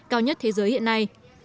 cao nhất thế giới hiện nay